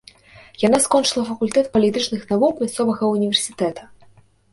Яна скончыла факультэт палітычных навук мясцовага ўніверсітэта.